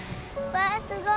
わあすごい！